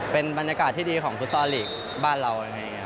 เป็นบรรยากาศที่ดีของดูซาลีกบ้านเรา